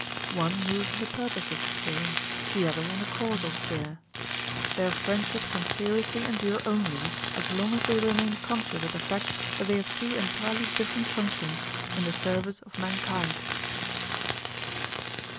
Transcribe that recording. One moves in the purposive sphere, the other in the causal sphere. Their friendship can seriously endure only as long as they remain conscious of the fact that they have two entirely different functions in the service of mankind.